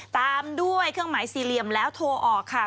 ตามด้วยเครื่องหมายสี่เหลี่ยมแล้วโทรออกค่ะ